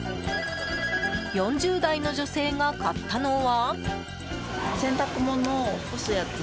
４０代の女性が買ったのは。